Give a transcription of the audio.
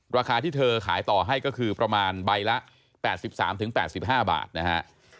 ราคาที่เธอขายต่อให้ก็คือประมาณใบละ๘๓๘๕บาทนะฮะ